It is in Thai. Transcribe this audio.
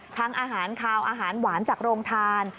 ทั้งอาหารขาวอาหารหวานจากโรงทาน